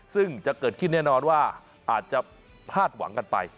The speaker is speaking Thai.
ซึ่งจะเกิดขึ้นแน่นอนว่าอาจจะพลาดหวังกันไป